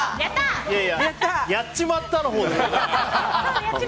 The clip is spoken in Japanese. やっちまったのほう！